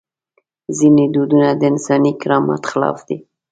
ځینې دودونه د انساني کرامت خلاف دي.